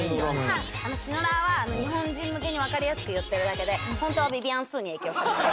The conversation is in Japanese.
シノラーは日本人向けにわかりやすく言ってるだけで本当はビビアン・スーに影響されました。